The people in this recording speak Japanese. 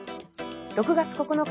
６月９日